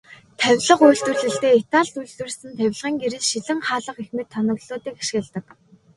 Тавилга үйлдвэрлэлдээ Италид үйлдвэрлэсэн тавилгын гэрэл, шилэн хаалга гэх мэт тоноглолуудыг ашигладаг.